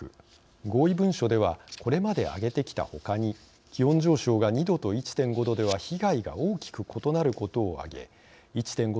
合意文書ではこれまで挙げてきたほかに気温上昇が２℃と１．５℃では被害が大きく異なることを挙げ１．５